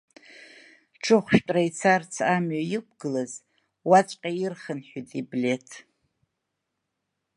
Ҽыхәшәтәра ицарц амҩа иқәгылаз уаҵәҟьа ирхынҳәит иблеҭ.